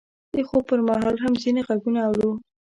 د خوب پر مهال هم ځینې غږونه اورو.